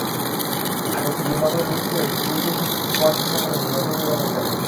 আগস্টে জিম্বাবুয়ে অনুষ্ঠেয় ত্রিদেশীয় সিরিজে স্কোয়াড ঘোষণা করবে নতুন নির্বাচক প্যানেল।